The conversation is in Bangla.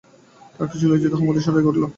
তার কাছে লজ্জিত হয়ে মধুসূদন রেগে উঠল।